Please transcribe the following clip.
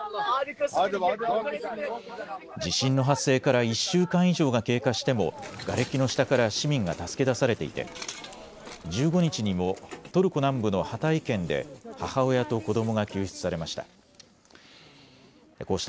地震の発生から１週間以上が経過してもがれきの下から市民が助け出されていて１５日にもトルコ南部のハタイ県で母親と子どもが救出されました。